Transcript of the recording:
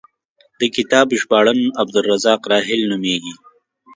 د کتاب ژباړن عبدالرزاق راحل نومېږي.